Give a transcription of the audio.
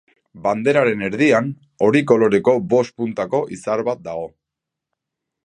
Banderaren erdian hori koloreko bost puntako izar bat dago.